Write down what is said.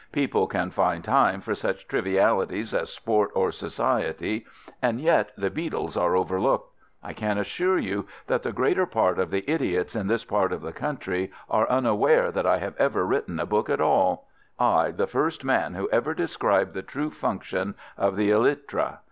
People can find time for such trivialities as sport or society, and yet the beetles are overlooked. I can assure you that the greater part of the idiots in this part of the country are unaware that I have ever written a book at all—I, the first man who ever described the true function of the elytra.